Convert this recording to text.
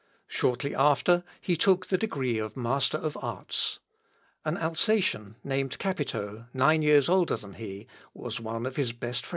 Shortly after, he took the degree of master of arts. An Alsatian, named Capito, nine years older than he, was one of his best friends.